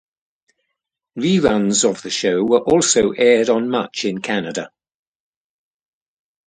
Reruns of the show were also aired on Much in Canada.